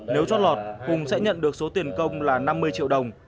nếu chót lọt hùng sẽ nhận được số tiền công là năm mươi triệu đồng